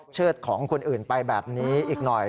เชิดของคนอื่นไปแบบนี้อีกหน่อย